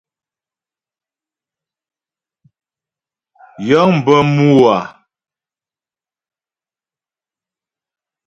Yəŋ bə mû a.